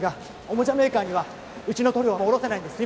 おもちゃメーカーにはうちの塗料は卸せないんです